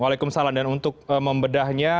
waalaikumsalam dan untuk membedahnya